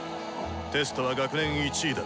テストは学年１位だ。